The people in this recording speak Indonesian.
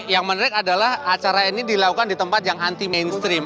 yang menarik adalah acara ini dilakukan di tempat yang anti mainstream